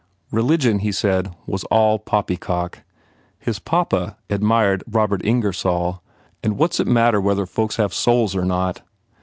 Religion, he said, was all poppycock. His "papa" admired Robert Ingersoll and "What s it matter whether folks have souls or not?"